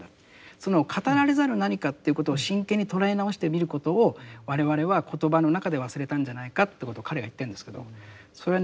その語られざる何かということを真剣に捉え直してみることを我々は言葉の中で忘れたんじゃないかということを彼が言ってるんですけどそれはね